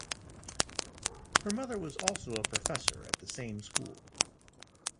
Her mother was also a professor at the same school.